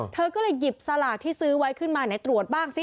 เธอก็เลยหยิบสลากที่ซื้อไว้ขึ้นมาไหนตรวจบ้างสิ